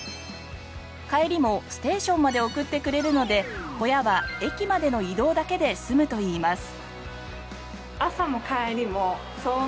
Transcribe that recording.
帰りもステーションまで送ってくれるので親は駅までの移動だけで済むといいます。